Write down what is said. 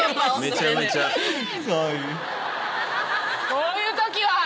こういうときは。